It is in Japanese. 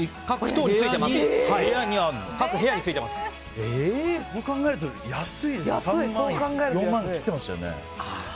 そう考えると安いですね。